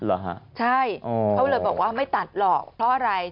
เหรอฮะใช่เขาเลยบอกว่าไม่ตัดหรอกเพราะอะไร